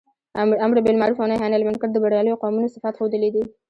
امر باالمعروف او نهي عنالمنکر د برياليو قومونو صفات ښودلي دي.